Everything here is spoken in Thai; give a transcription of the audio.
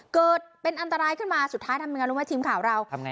เกิดเป็นอันตรายขึ้นมาสุดท้ายทำยังไงรู้ไหมทีมข่าวเราทำไง